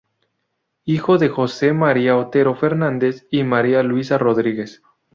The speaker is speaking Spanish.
Hijo de Jose María Otero Fernández y María Luisa Rodríguez.